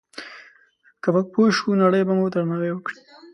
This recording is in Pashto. که موږ پوه شو، نړۍ به مو درناوی وکړي.